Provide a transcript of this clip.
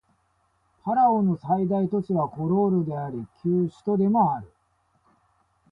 パラオの最大都市はコロールであり旧首都でもある